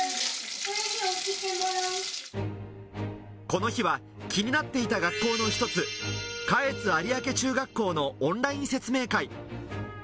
この日は気になっていた学校の一つ、かえつ有明中学校のオンライン説明会。